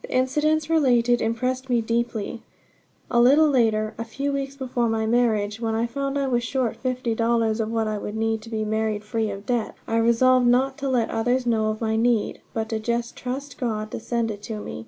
The incidents related impressed me deeply. A little later, a few weeks before my marriage, when I found I was short fifty dollars of what I would need to be married free of debt, I resolved not to let others know of my need, but to just trust God to send it to me.